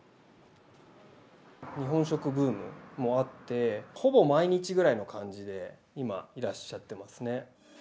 日本食ブームもあって、ほぼ毎日ぐらいの感じで、今、いらっしゃってますね。